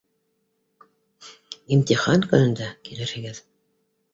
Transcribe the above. — Имтихан көнөндә килерһегеҙ.